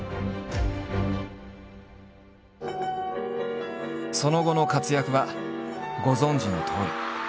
その後の活躍はご存じのとおり。